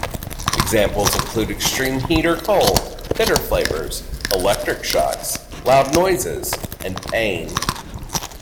Examples include extreme heat or cold, bitter flavors, electric shocks, loud noises and pain.